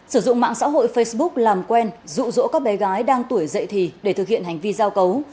sử dụng mạng xã hội facebook làm quen rụ rỗ các bé gái đang tuổi dậy thì để thực hiện hành vi giao cấu